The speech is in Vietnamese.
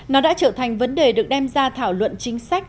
nó đã trở thành vấn đề được đem ra thảo luận chính sách